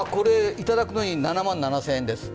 いただくのに７万７０００円です。